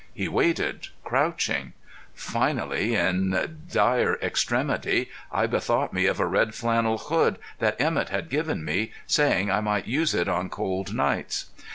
He waited, crouching. Finally, in dire extremity, I bethought me of a red flannel hood that Emett had given me, saying I might use it on cold nights.